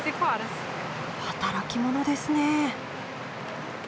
働き者ですね。